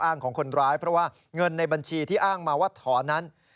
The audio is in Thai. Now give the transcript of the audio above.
ของคนร้ายเพราะว่าเงินในบัญชีที่อ้างมาว่าถอนนั้น